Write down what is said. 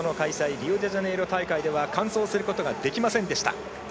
リオデジャネイロ大会では完走することができませんでした。